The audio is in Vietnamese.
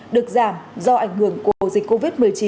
được giảm do ảnh hưởng của dịch covid một mươi chín